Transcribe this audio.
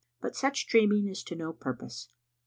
But such dreaming is to no purpose.